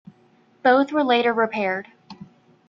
Both were later repaired.